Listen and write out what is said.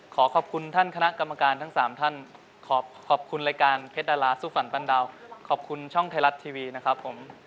ขอขอบคุณท่านคณะกรรมการทั้ง๓ท่านขอบคุณรายการเพชรดาราสู้ฝันปั้นดาวขอบคุณช่องไทยรัฐทีวีนะครับผม